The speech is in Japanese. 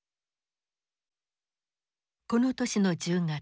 この年の１０月。